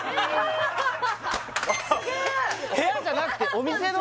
部屋じゃなくてお店の？